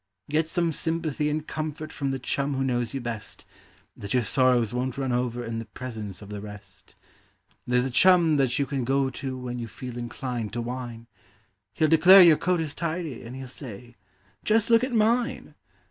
Get some sympathy and comfort from the chum who knows you best, Then your sorrows won't run over in the presence of the rest ; There's a chum that you can go to when you feel inclined to whine, He'll declare your coat is tidy, and he'll say : "Just look at mine